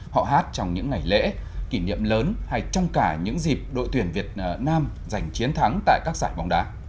họ hát trong những ngày lễ kỷ niệm lớn hay trong cả những dịp đội tuyển việt nam giành chiến thắng tại các giải bóng đá